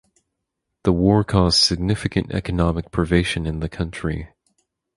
The war caused significant economic privation in the country.